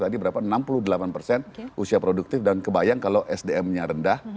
tadi berapa enam puluh delapan persen usia produktif dan kebayang kalau sdm nya rendah